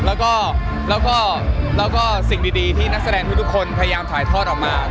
แล้วก็สิ่งดีที่นักแสดงทุกคนพยายามถ่ายทอดออกมา